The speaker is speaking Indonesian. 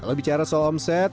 kalau bicara soal omset